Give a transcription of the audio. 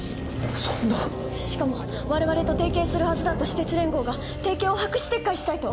そんなしかも我々と提携するはずだった私鉄連合が提携を白紙撤回したいと！